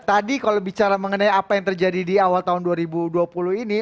tadi kalau bicara mengenai apa yang terjadi di awal tahun dua ribu dua puluh ini